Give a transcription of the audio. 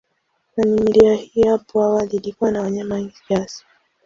Familia hii hapo awali ilikuwa na wanyama wengi kiasi.